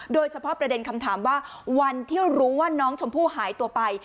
โดยเฉพาะประเด็นคำถามว่าวันที่รู้ว่าน้องชมพู่หายตัวไป